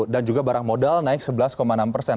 dan juga barang modal naik sebelas enam persen